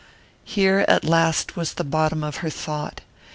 Here at last was the bottom of her thought!